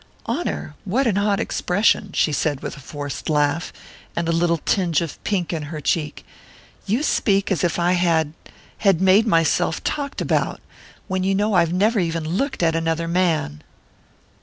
"Honour? What an odd expression!" she said with a forced laugh, and a little tinge of pink in her cheek. "You speak as if I had had made myself talked about when you know I've never even looked at another man!"